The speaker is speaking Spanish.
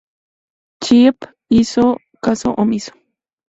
Cheap hizo caso omiso.